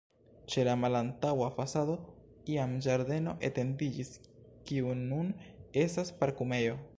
Ĉe la malantaŭa fasado iam ĝardeno etendiĝis, kiu nun estas parkumejo.